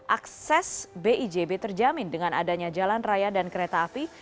akses bijb terjamin dengan adanya jalan raya dan kereta api